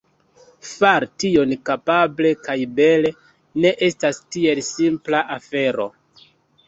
Fari tion kapable kaj bele ne estas tiel simpla afero.